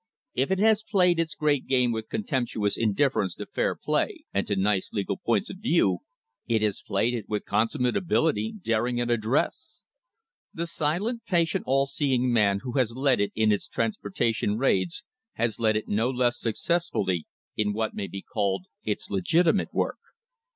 If it has played its great game with contemptuous indifference to fair play, and to nice legal points of view, it has played it with consummate ability, daring and THE HISTORY OF THE STANDARD OIL COMPANY address. The silent, patient, all seeing man who has led it in its transportation raids has led it no less successfully in what may be called its legitimate work.